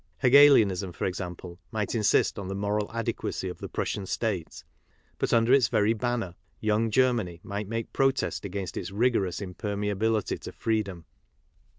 Hegelianism, for example, might insist on the moral adequacy of the Prussian State. But under its very banner. Young Germany might make protest against its rigorous im permeability to freedom.